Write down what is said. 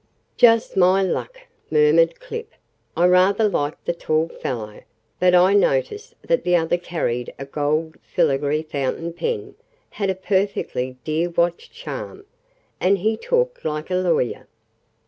"Just my luck," murmured Clip. "I rather liked the tall fellow, but I noticed that the other carried a gold filigree fountain pen, had a perfectly dear watch charm, and he talked like a lawyer."